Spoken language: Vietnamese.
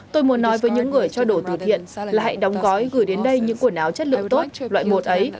tôi muốn nói với những người cho đồ thừa thiện là hãy đóng gói gửi đến đây những quần áo chất lượng tốt loại một ấy